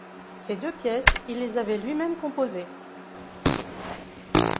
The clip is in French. Ces deux pièces, il les avait lui-même composées.